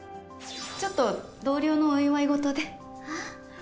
ちょっと同僚のお祝い事で。